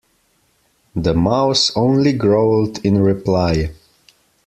The Mouse only growled in reply.